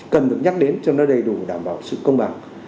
cần được nhắc đến cho nó đầy đủ đảm bảo sự công bằng